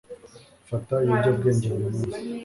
fata ibiyobyabwenge buri munsi